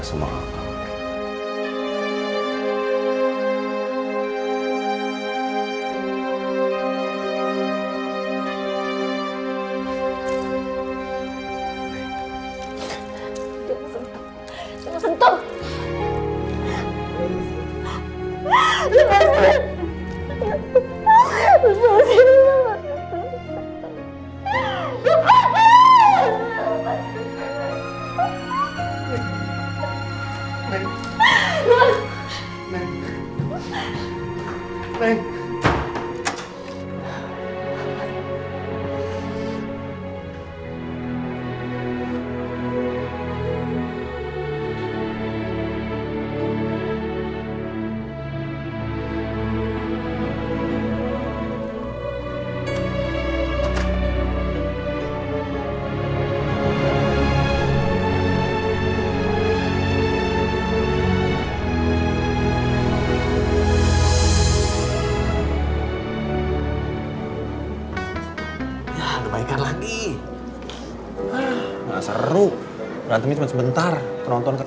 sampai jumpa di video selanjutnya